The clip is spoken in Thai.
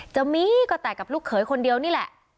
จะมีก็แต่กับลูกเขยคนเดียวนี่แหละ